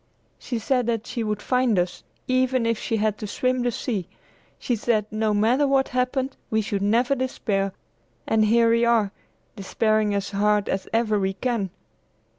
"She said that she would find us, even if she had to swim the sea! She said no matter what happened we should never despair, and here we are despairing as hard as ever we can."